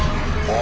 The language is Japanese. あ！